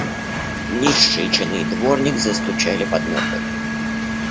Низшие чины и дворник застучали подметками.